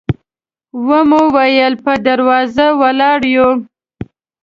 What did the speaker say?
و مو ویل په دروازه ولاړ یو.